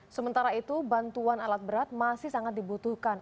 sementara itu bantuan alat berat masih sangat dibutuhkan